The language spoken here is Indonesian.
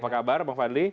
apa kabar bang fadli